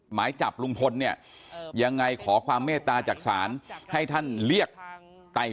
หมายจับลุงพลเนี่ยยังไงขอความเมตตาจากศาลให้ท่านเรียกไต่